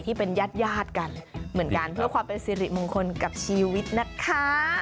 ที่เป็นญาติกันเหมือนกันเพื่อความเป็นสิริมงคลกับชีวิตนะคะ